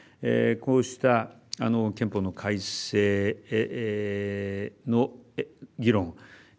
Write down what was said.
こうした、憲法の改正の議論。